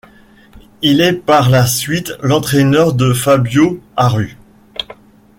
Il est par la suite l'entraîneur de Fabio Aru.